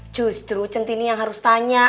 justru centini yang harus tanya